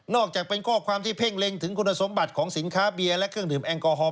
อกจากเป็นข้อความที่เพ่งเล็งถึงคุณสมบัติของสินค้าเบียร์และเครื่องดื่มแอลกอฮอล